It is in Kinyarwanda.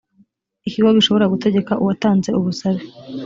ikigo gishobora gutegeka uwatanze ubusabe